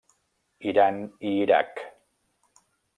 Iran i Iraq.